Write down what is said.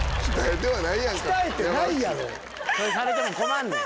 されても困んねん。